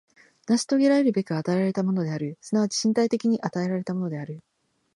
成し遂げらるべく与えられたものである、即ち身体的に与えられたものである。